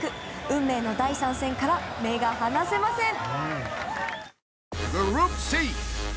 運命の第３戦から目が離せません。